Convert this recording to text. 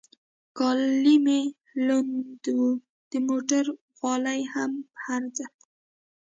کالي مې لوند و، د موټر غولی هم هر ځل.